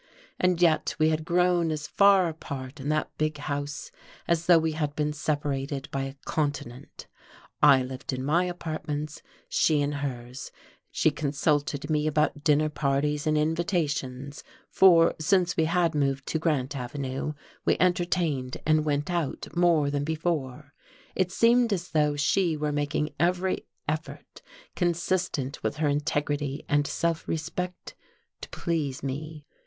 And yet we had grown as far apart, in that big house, as though we had been separated by a continent; I lived in my apartments, she in hers; she consulted me about dinner parties and invitations; for, since we had moved to Grant Avenue, we entertained and went out more than before. It seemed as though she were making every effort consistent with her integrity and self respect to please me.